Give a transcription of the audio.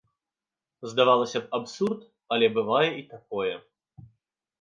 Здавалася б, абсурд, але бывае і такое.